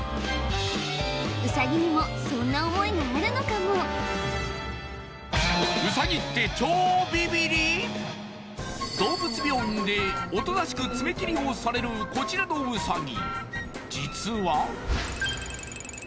ウサギにもそんな思いがあるのかも動物病院でおとなしく爪切りをされるこちらのウサギ